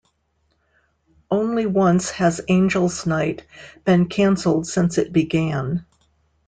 Only once has Angels' Night been cancelled since it began.